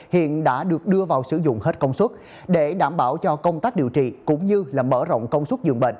hiện đã được đưa vào sử dụng hết công suất để đảm bảo cho công tác điều trị cũng như mở rộng công suất dường bệnh